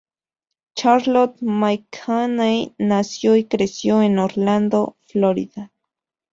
Charlotte McKinney nació y creció en Orlando, Florida.